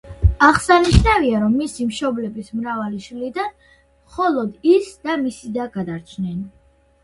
აღსანიშნავია, რომ მისი მშობლების მრავალი შვილიდან მხოლოდ ის და მისი და გადარჩნენ.